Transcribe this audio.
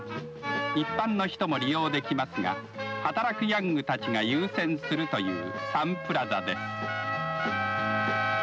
一般の人も利用できますが働くヤングたちが優先するというサンプラザです。